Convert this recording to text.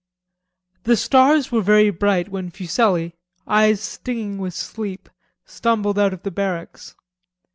IV The stars were very bright when Fuselli, eyes stinging with sleep, stumbled out of the barracks.